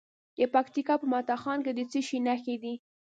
د پکتیکا په متا خان کې د څه شي نښې دي؟